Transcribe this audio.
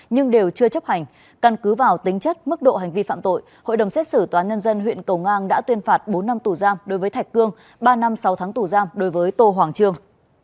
nhưng đều chưa chấp hành căn cứ vào tính chất mức độ hành vi phạm tội hội đồng xét xử tòa nhân dân huyện cầu ngang đã tuyên phạt bốn năm tù giam đối với thạch cương ba năm sáu tháng tù giam đối với tô hoàng trương